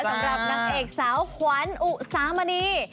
สำหรับนางเอกสาวขวัญอุสามณี